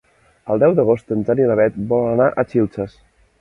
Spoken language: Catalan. El deu d'agost en Jan i na Beth volen anar a Xilxes.